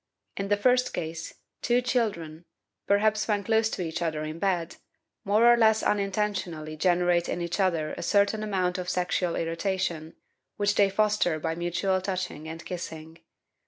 In the first case, two children, perhaps when close to each other in bed, more or less unintentionally generate in each other a certain amount of sexual irritation, which they foster by mutual touching and kissing.